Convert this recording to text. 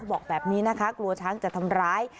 บอกแบบนี้นะคะกลัวช้างจะทำร้าย